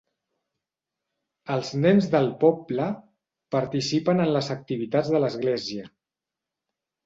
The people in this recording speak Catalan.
Els nens del poble participen en les activitats de l'església.